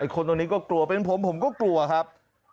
คนตรงนี้ก็กลัวเป็นผมผมก็กลัวครับ